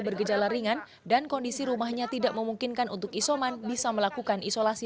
bergejala ringan dan kondisi rumahnya tidak memungkinkan untuk isoman bisa melakukan isolasi